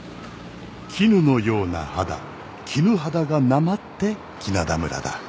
絹のような肌絹肌がなまって来名田村だ。